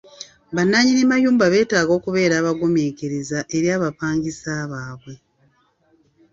Bannannyini mayumba betaaga okubeera abagumiikiriza eri abapangisa baabwe.